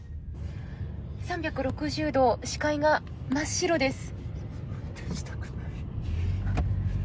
３６０度視界が真っ白です。